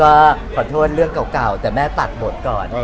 ก็ขอโทษเรื่องเก่าแต่แม่ตัดบทก่อน